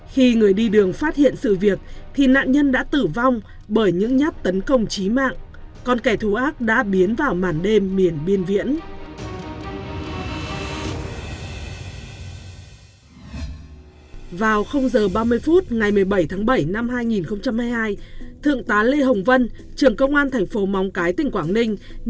khi người đi đường phát hiện sự việc thì nạn nhân đã tử vong bởi những nháp tấn công trí mạng con kẻ thù ác đã biến vào màn đêm miền biên viễn